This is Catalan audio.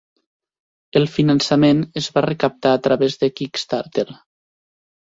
El finançament es va recaptar a través de Kickstarter.